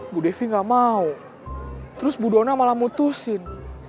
bu devi gak mau terus bu dona malah mutusin